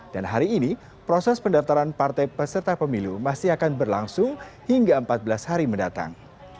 dan hari ini proses pendaftaran partai peserta pemilu masih akan berlangsung hingga empat belas hari mendatang